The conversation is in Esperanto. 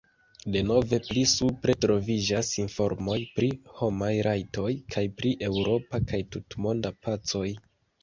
Denove pli supre troviĝas informoj pri homaj rajtoj kaj pri eŭropa kaj tutmonda pacoj.